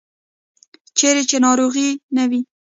چیرې چې ناروغي نه وي.